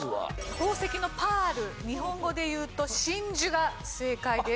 宝石の「パール」日本語でいうと真珠が正解です。